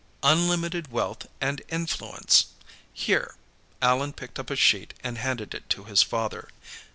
"Unlimited wealth and influence. Here." Allan picked up a sheet and handed it to his father.